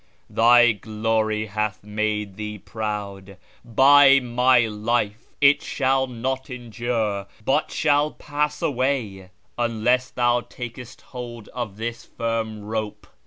..." Thy glory hath made thee proud. By my life ! It sJiall not endure, hut shall pass away, unless thou taJcest hold of this firm rope.